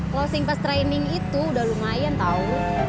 kalau sing pas training itu udah lumayan tau